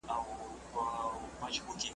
د قام زخم ته مرهم وي په نصیب کښلی قلم وي .